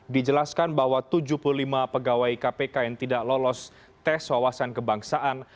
dijelaskan bahwa tujuh puluh lima pegawai kpk yang tidak lolos tes wawasan kebangsaan